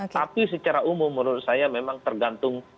tapi secara umum menurut saya memang tergantung